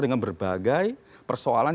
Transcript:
dengan berbagai persoalan